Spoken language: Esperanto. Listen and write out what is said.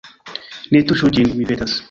Ne tuŝu ĝin, mi petas.